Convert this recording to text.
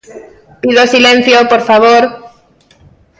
Pido silencio, por favor.